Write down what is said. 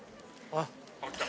・あっきた！